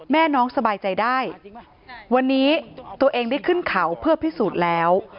แม่น้องสบายใจได้วันนี้ตัวเองได้ขึ้นเขาเพื่อพิสูจน์แล้ว